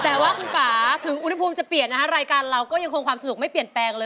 แต่ว่าคุณป่าถึงอุณหภูมิจะเปลี่ยนนะคะรายการเราก็ยังคงความสนุกไม่เปลี่ยนแปลงเลย